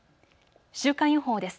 週間予報です。